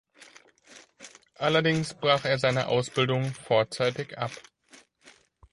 Allerdings brach er seine Ausbildung vorzeitig ab.